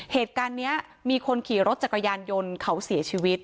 เหตุการณ์นี้มีคนขี่รถจักรยานยนต์เขาเสียชีวิต